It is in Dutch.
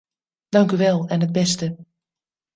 Dank u wel en het beste.